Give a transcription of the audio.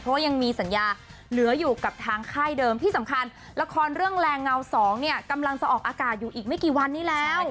เพราะว่ายังมีสัญญาเหลืออยู่กับทางค่ายเดิมที่สำคัญละครเรื่องแรงเงาสองเนี่ยกำลังจะออกอากาศอยู่อีกไม่กี่วันนี้แล้ว